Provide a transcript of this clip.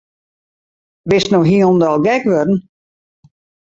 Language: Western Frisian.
Bist no hielendal gek wurden?